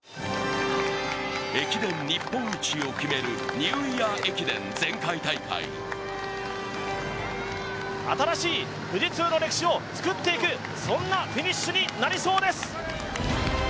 ニューイヤー駅伝の前回大会に新しい富士通の歴史を作っていくそんなフィニッシュになりそうです。